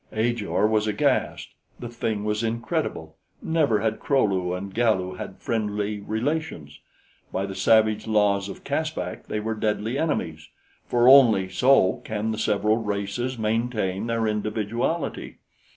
Ajor was aghast. The thing was incredible. Never had Kro lu and Galu had friendly relations; by the savage laws of Caspak they were deadly enemies, for only so can the several races maintain their individuality.